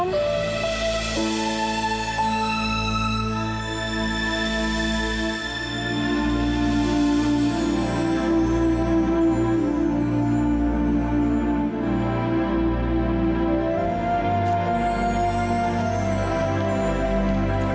om enggak apa apa